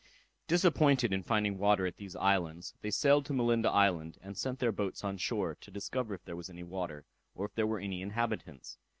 Disappointed in finding water at these islands, they sailed to Malinda island, and sent their boats on shore, to discover if there was any water, or if there were any inhabitants..